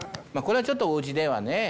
まあこれはちょっとおうちではね。